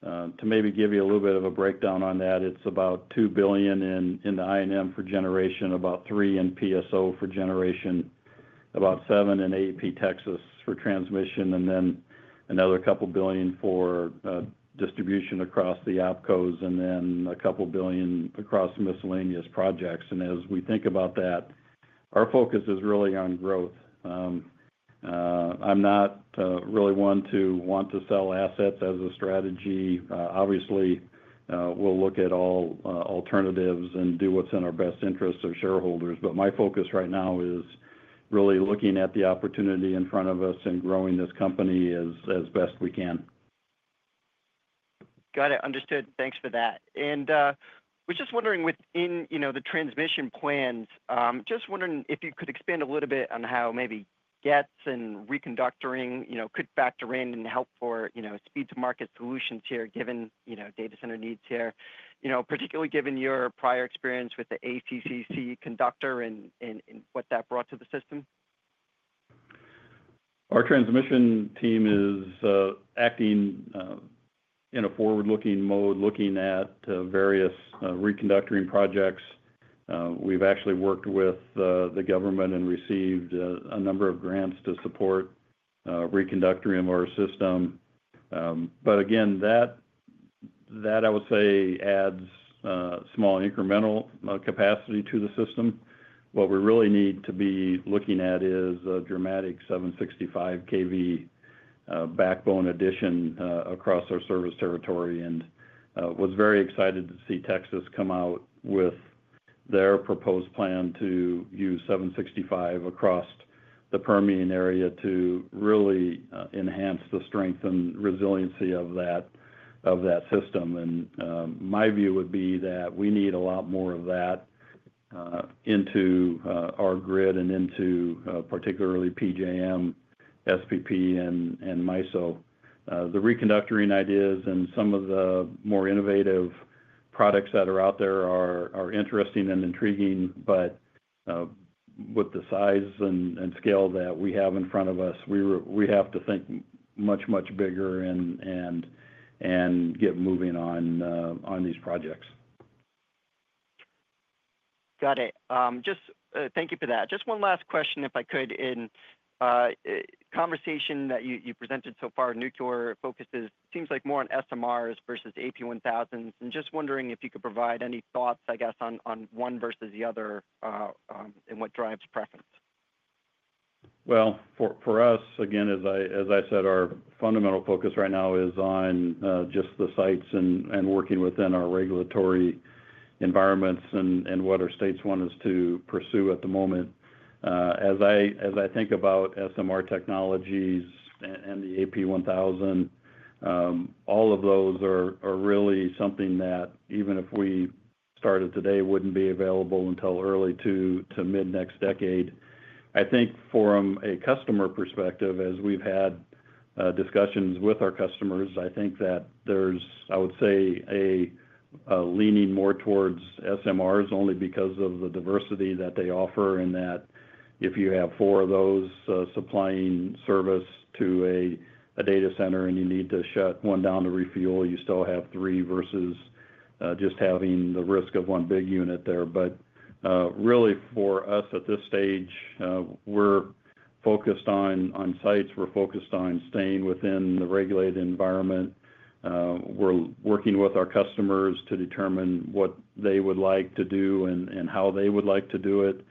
To maybe give you a little bit of a breakdown on that, it's about $2 billion in the I&M for generation, about $3 billion in PSO for generation, about $7 billion in AEP Texas for transmission, and then another couple of billion for distribution across the APCos, and then a couple of billion across miscellaneous projects. As we think about that, our focus is really on growth. I'm not really one to want to sell assets as a strategy. Obviously, we'll look at all alternatives and do what's in our best interest of shareholders. My focus right now is really looking at the opportunity in front of us and growing this company as best we can. Got it. Understood. Thanks for that. Within the transmission plans, just wondering if you could expand a little bit on how maybe gets and reconductoring could factor in and help for speed to market solutions here, given data center needs here, particularly given your prior experience with the ACCC conductor and what that brought to the system. Our transmission team is acting in a forward-looking mode, looking at various reconductoring projects. We've actually worked with the government and received a number of grants to support reconductoring of our system. Again, that, I would say, adds small incremental capacity to the system. What we really need to be looking at is a dramatic 765 kV backbone addition across our service territory. I was very excited to see Texas come out with their proposed plan to use 765 across the Permian area to really enhance the strength and resiliency of that system. My view would be that we need a lot more of that into our grid and into particularly PJM, SPP, and MISO. The reconductoring ideas and some of the more innovative products that are out there are interesting and intriguing. But with the size and scale that we have in front of us, we have to think much, much bigger and get moving on these projects. Got it. Thank you for that. Just one last question, if I could. In conversation that you presented so far, nuclear focus seems like more on SMRs versus[AP1000s. Just wondering if you could provide any thoughts, I guess, on one versus the other. What drives preference? For us, again, as I said, our fundamental focus right now is on just the sites and working within our regulatory environments and what our states want us to pursue at the moment. As I think about SMR technologies and the AP1000, all of those are really something that, even if we started today, would not be available until early to mid-next decade. I think from a customer perspective, as we have had discussions with our customers, I think that there is, I would say, a leaning more towards SMRs only because of the diversity that they offer and that if you have four of those supplying service to a data center and you need to shut one down to refuel, you still have three versus just having the risk of one big unit there. Really, for us at this stage, we are focused on sites. We are focused on staying within the regulated environment. We are working with our customers to determine what they would like to do and how they would like to do it.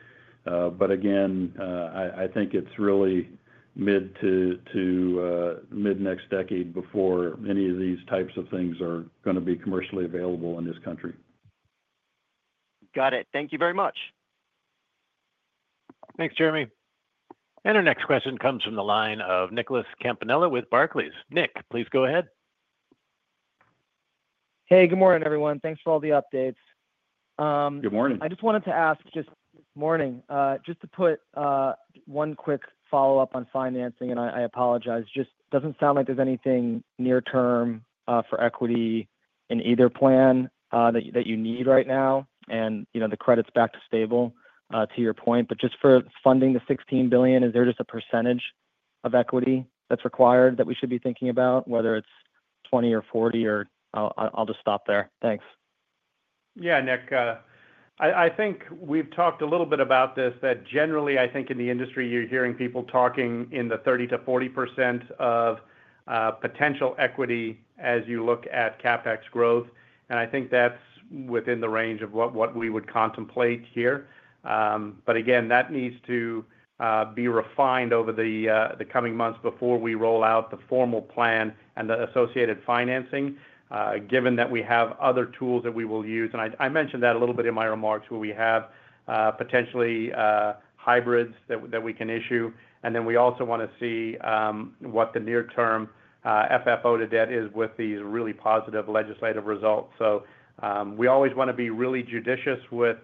Again, I think it is really mid to mid-next decade before any of these types of things are going to be commercially available in this country. Got it. Thank you very much. Thanks, Jeremy. Our next question comes from the line of Nicholas Campanella with Barclays. Nick, please go ahead. Hey, good morning, everyone. Thanks for all the updates. Good morning I just wanted to ask just this morning, just to put one quick follow-up on financing, and I apologize. Just does not sound like there is anything near-term for equity in either plan that you need right now and the credit is back to stable, to your point. Just for funding the $16 billion, is there just a percentage of equity that is required that we should be thinking about, whether it is 20% or 40%, or I will just stop there. Thanks. Yes, Nick. I think we have talked a little bit about this, that generally, I think in the industry, you are hearing people talking in the 30%-40% of potential equity as you look at CapEx growth. I think that is within the range of what we would contemplate here. Again, that needs to be refined over the coming months before we roll out the formal plan and the associated financing, given that we have other tools that we will use. I mentioned that a little bit in my remarks where we have potentially. Hybrids that we can issue. And then we also want to see what the near term FFO to debt is with these really positive legislative results. We always want to be really judicious with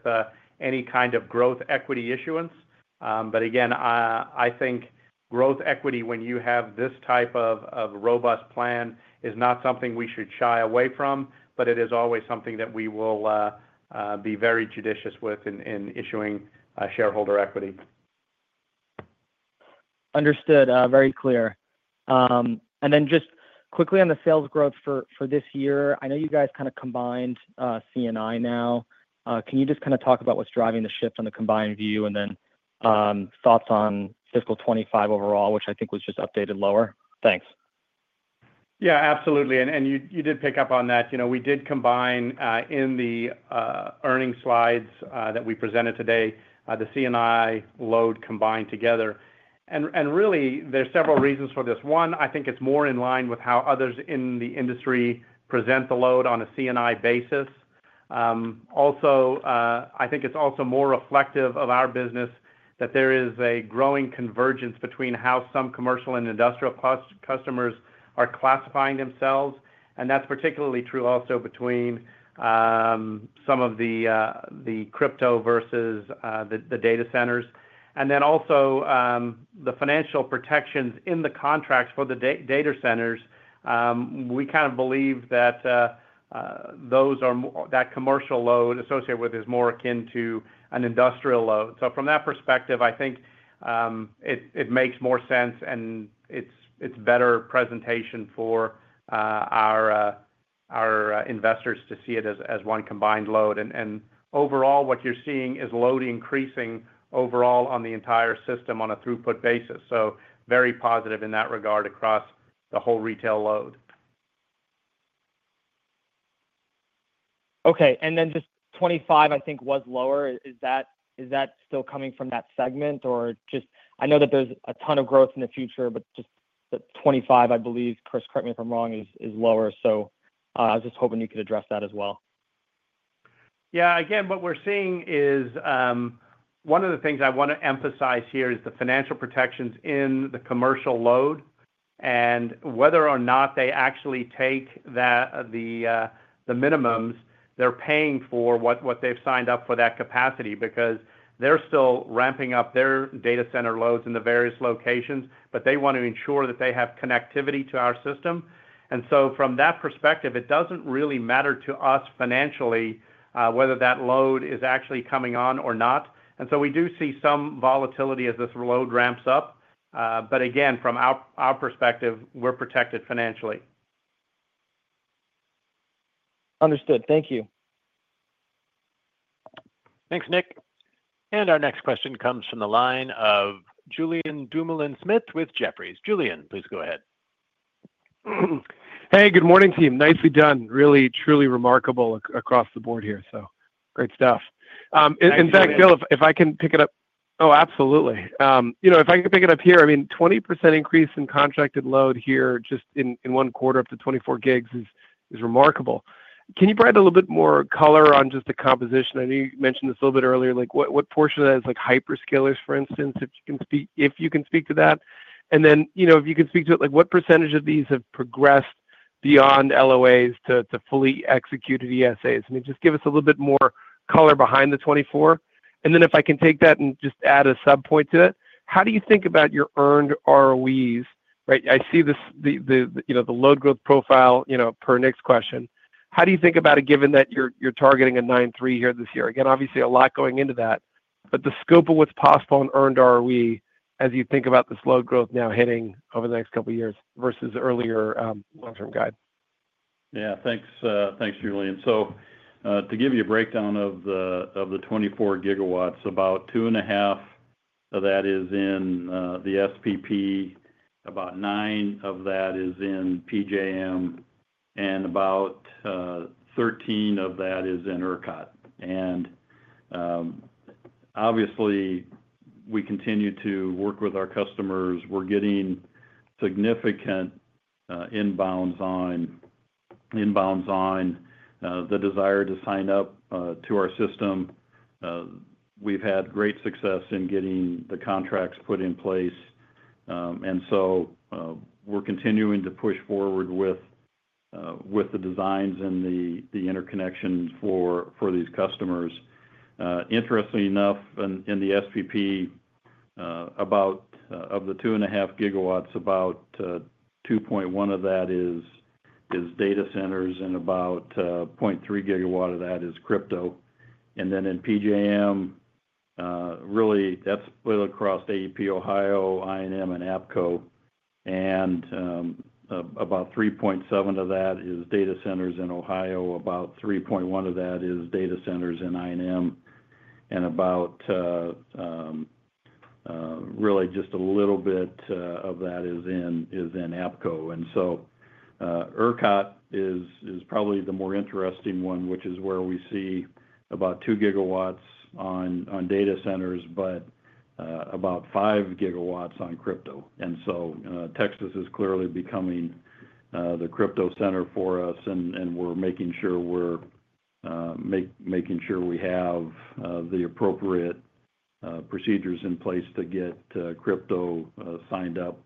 any kind of growth equity issuance. Again, I think growth equity, when you have this type of robust plan, is not something we should shy away from, but it is always something that we will be very judicious with in issuing shareholder equity. Understood. Very clear. Just quickly on the sales growth for this year, I know you guys kind of combined C&I now. Can you just kind of talk about what's driving the shift on the combined view and then thoughts on fiscal 2025 overall, which I think was just updated lower? Thanks. Yes, absolutely. You did pick up on that. We did combine in the earnings slides that we presented today, the C&I load combined together. There are several reasons for this. One, I think it's more in line with how others in the industry present the load on a C&I basis. Also, I think it's more reflective of our business that there is a growing convergence between how some commercial and industrial customers are classifying themselves. That is particularly true also between some of the crypto versus the data centers. Also, the financial protections in the contracts for the data centers. We kind of believe that commercial load associated with that is more akin to an industrial load. From that perspective, I think it makes more sense and it's better presentation for our investors to see it as one combined load. Overall, what you're seeing is load increasing overall on the entire system on a throughput basis. Very positive in that regard across the whole retail load. Okay. Just 2025, I think, was lower. Is that still coming from that segment? I know that there's a ton of growth in the future, but just the 2025, I believe, Chris, correct me if I'm wrong, is lower. I was just hoping you could address that as well. Yes. Again, what we're seeing is one of the things I want to emphasize here is the financial protections in the commercial load and whether or not they actually take the minimums they're paying for, what they've signed up for, that capacity, because they're still ramping up their data center loads in the various locations, but they want to ensure that they have connectivity to our system. From that perspective, it does not really matter to us financially whether that load is actually coming on or not. We do see some volatility as this load ramps up. Again, from our perspective, we are protected financially. Understood. Thank you. Thanks, Nick. Our next question comes from the line of Julien Dumoulin-Smith with Jefferies. Julien, please go ahead. Hey, good morning, team. Nicely done. Really, truly remarkable across the board here. Great stuff. In fact, Bill, if I can pick it up—oh, absolutely. If I can pick it up here, I mean, 20% increase in contracted load here just in one quarter up to 24 gigs is remarkable. Can you provide a little bit more color on just the composition? I know you mentioned this a little bit earlier. What portion of that is hyperscalers, for instance, if you can speak to that? And then if you can speak to it, what percentage of these have progressed beyond LOAs to fully executed ESAs? I mean, just give us a little bit more color behind the 24. If I can take that and just add a subpoint to it, how do you think about your earned ROEs? I see the load growth profile per Nick's question. How do you think about it given that you are targeting a 9.3% here this year? Obviously, a lot going into that. The scope of what is possible on earned ROE as you think about this load growth now hitting over the next couple of years versus earlier long term guide? Yes. Thanks, Julien. To give you a breakdown of the 24 GW, about 2.5 of that is in the SPP, about 9 of that is in PJM, and about 13 of that is in ERCOT. We continue to work with our customers. We are getting significant inbounds on the desire to sign up to our system. We have had great success in getting the contracts put in place. We are continuing to push forward with the designs and the interconnections for these customers. Interestingly enough, in the SPP, of the 2.5 GW, about 2.1 of that is data centers and about 0.3 GW of that is crypto. In PJM, that is split across AEP Ohio, I&M, and APCo. About 3.7 of that is data centers in Ohio, about 3.1 of that is data centers in I&M, and just a little bit of that is in APCo. ERCOT is probably the more interesting one, which is where we see about 2 GW on data centers, but about 5 GW on crypto. Texas is clearly becoming the crypto center for us, and we're making sure we have the appropriate procedures in place to get crypto signed up.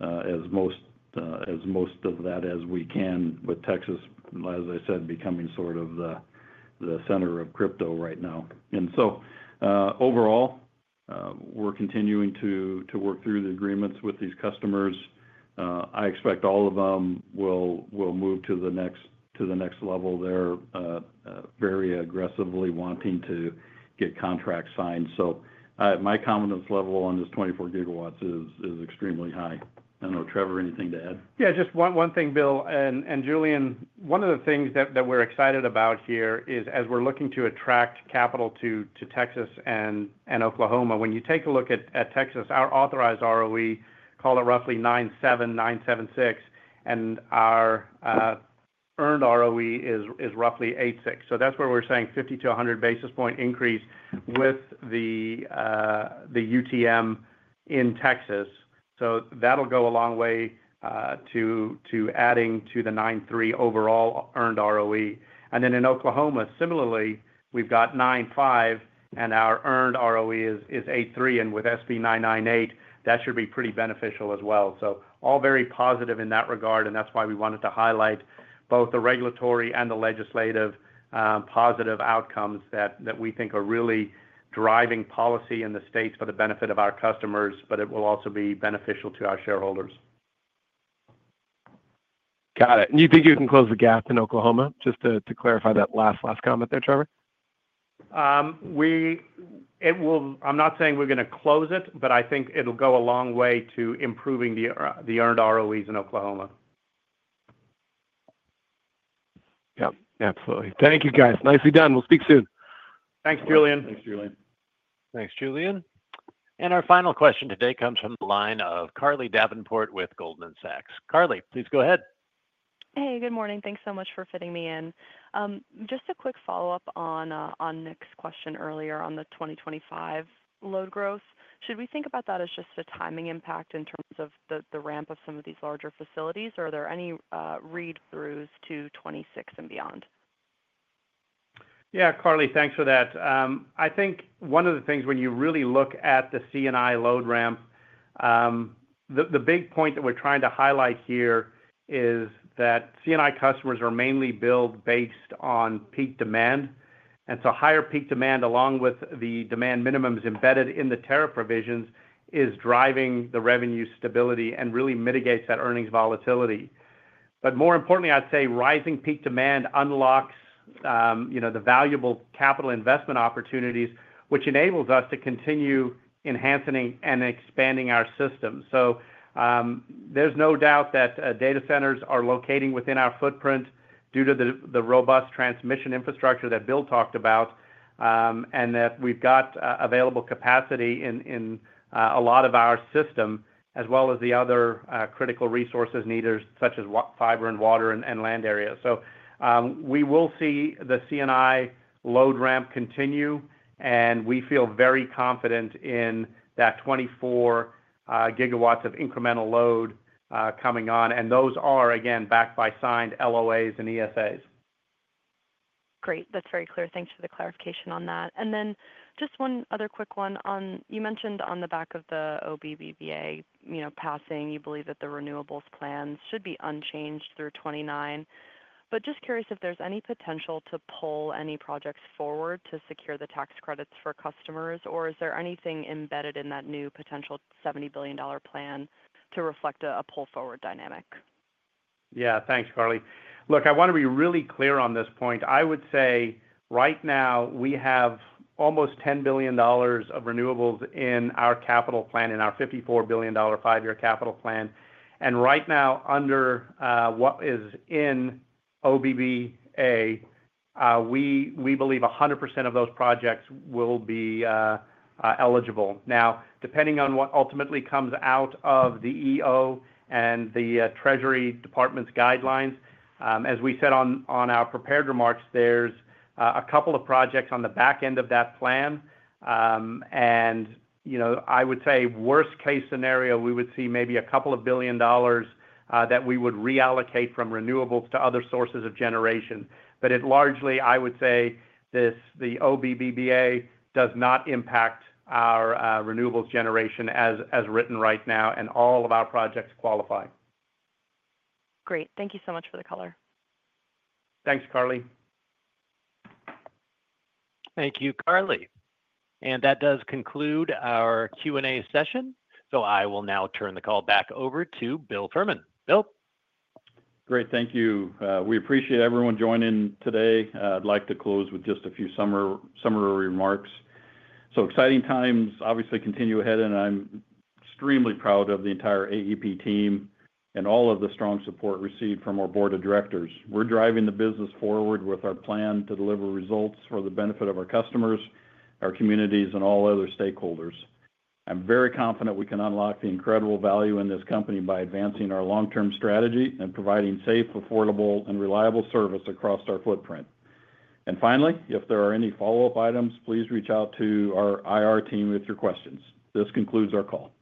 As most of that as we can, with Texas, as I said, becoming sort of the center of crypto right now. Overall, we're continuing to work through the agreements with these customers. I expect all of them will move to the next level. They're very aggressively wanting to get contracts signed. My confidence level on this 24 GW is extremely high. I don't know, Trevor, anything to add? Yes, just one thing, Bill. And Julien, one of the things that we're excited about here is as we're looking to attract capital to Texas and Oklahoma, when you take a look at Texas, our authorized ROE, call it roughly 9.7%, 9.76%, and our earned ROE is roughly 8.6%. That's where we're saying 50-100 basis point increase with the UTM in Texas. That'll go a long way to adding to the 9.3% overall earned ROE. In Oklahoma, similarly, we've got 9.5%, and our earned ROE is 8.3%. With SB 998, that should be pretty beneficial as well. All very positive in that regard, and that's why we wanted to highlight both the regulatory and the legislative positive outcomes that we think are really driving policy in the states for the benefit of our customers, but it will also be beneficial to our shareholders. Got it. You think you can close the gap in Oklahoma? Just to clarify that last comment there, Trevor. I'm not saying we're going to close it, but I think it'll go a long way to improving the earned ROEs in Oklahoma. Yep. Absolutely. Thank you, guys. Nicely done. We'll speak soon. Thanks, Julien. Thanks, Julien. Thanks, Julien. Our final question today comes from the line of Carly Davenport with Goldman Sachs. Carly, please go ahead. Hey, good morning. Thanks so much for fitting me in. Just a quick follow-up on Nick's question earlier on the 2025 load growth. Should we think about that as just a timing impact in terms of the ramp of some of these larger facilities, or are there any read-throughs to 2026 and beyond? Yes, Carly, thanks for that. I think one of the things when you really look at the C&I load ramp, the big point that we're trying to highlight here is that C&I customers are mainly built based on peak demand. Higher peak demand, along with the demand minimums embedded in the tariff provisions, is driving the revenue stability and really mitigates that earnings volatility. More importantly, I'd say rising peak demand unlocks the valuable capital investment opportunities, which enables us to continue enhancing and expanding our system. There is no doubt that data centers are locating within our footprint due to the robust transmission infrastructure that Bill talked about and that we've got available capacity in a lot of our system, as well as the other critical resources needed, such as fiber and water and land areas. We will see the C&I load ramp continue, and we feel very confident in that 24 GW of incremental load coming on. Those are, again, backed by signed LOAs and ESAs. Great. That's very clear. Thanks for the clarification on that. Just one other quick one. You mentioned on the back of the OBBA passing, you believe that the renewables plan should be unchanged through 2029. Just curious if there's any potential to pull any projects forward to secure the tax credits for customers, or is there anything embedded in that new potential $70 billion plan to reflect a pull-forward dynamic? Yes. Thanks, Carly. Look, I want to be really clear on this point. I would say right now, we have almost $10 billion of renewables in our capital plan, in our $54 billion five-year capital plan. Right now, under what is in OBBA, we believe 100% of those projects will be eligible. Now, depending on what ultimately comes out of the EO and the Treasury department's guidelines, as we said on our prepared remarks, there's a couple of projects on the back end of that plan. I would say worst case scenario, we would see maybe a couple of billion dollars that we would reallocate from renewables to other sources of generation. Largely, I would say the OBBA does not impact our renewables generation as written right now, and all of our projects qualify. Great. Thank you so much for the color. Thanks, Carly. Thank you, Carly. That does conclude our Q&A session. I will now turn the call back over to Bill Fehrman. Great. Thank you. We appreciate everyone joining today. I'd like to close with just a few summary remarks. Exciting times obviously continue ahead, and I'm extremely proud of the entire AEP team and all of the strong support received from our board of directors. We're driving the business forward with our plan to deliver results for the benefit of our customers, our communities, and all other stakeholders. I'm very confident we can unlock the incredible value in this company by advancing our long term strategy and providing safe, affordable, and reliable service across our footprint. If there are any follow-up items, please reach out to our IR team with your questions. This concludes our call.